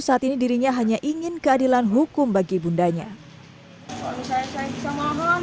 saat ini dirinya hanya ingin keadilan hukum bagi bundanya suami saya bisa mohon